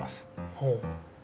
ほう。